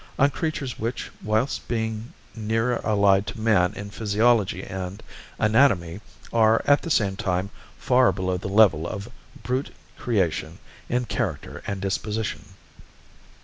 On creatures which whilst being nearer allied to man in physiology and anatomy, are at the same time far below the level of brute creation in character and disposition.